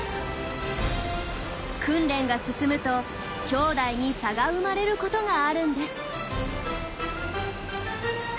訓練が進むときょうだいに差が生まれることがあるんです。